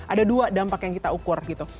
ada dua dampak yang kita ukur gitu